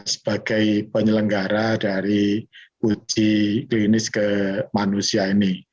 sebagai penyelenggara dari uji klinis ke manusia ini